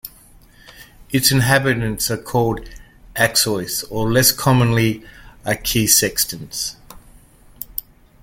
Its inhabitants are called "Aixois" or, less commonly, "Aquisextains".